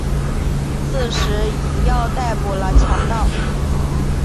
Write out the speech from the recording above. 刺史尹耀逮捕了强盗。